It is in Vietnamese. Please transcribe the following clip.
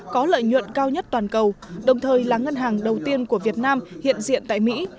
có lợi nhuận cao nhất toàn cầu đồng thời là ngân hàng đầu tiên của việt nam hiện diện tại mỹ